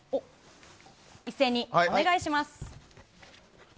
一斉にお願いします。